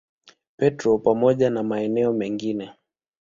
Petro pamoja na maeneo mengine.